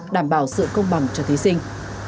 đảm bảo sự công bằng cho thí sinh